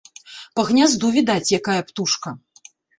Па гнязду відаць, якая птушка